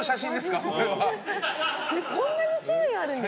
こんなに種類あるんですか？